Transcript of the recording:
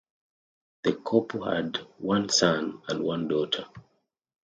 The couple had one son and one daughter.